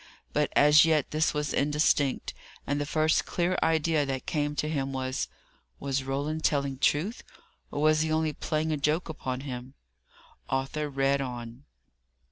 But as yet this was indistinct; and the first clear idea that came to him was Was Roland telling truth, or was he only playing a joke upon him? Arthur read on.